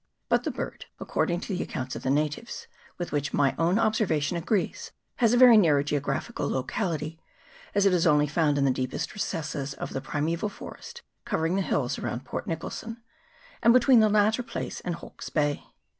But the bird, according to the accounts of the natives, with which my own observation agrees, has a very nar row geographical locality, as it is only found in the deepest recesses of the primeval forest covering the hills around Port Nicholson, and between the latter place and Hawke's Bay.